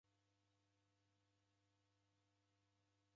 Chana iridia jhako